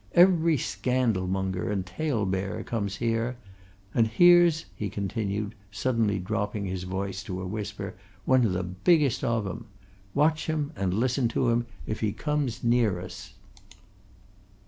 Every scandalmonger and talebearer comes here and here's," he continued, suddenly dropping his voice to a whisper, "one of the biggest of 'em watch him, and listen to him, if he comes near us.